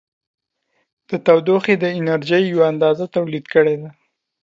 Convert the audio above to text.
د تودوخې د انرژي یوه اندازه تولید کړې ده.